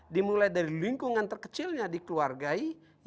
dimulai dari lingkungan terkecilnya dikeluargai